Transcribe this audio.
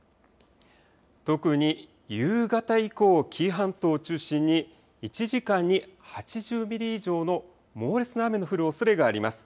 特に夕方以降、紀伊半島を中心に１時間に８０ミリ以上の猛烈な雨の降るおそれがあります。